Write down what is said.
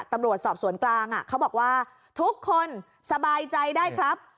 ตำรวจสอบสวนกลางเขาบอกว่าทุกคนสบายใจได้ครับ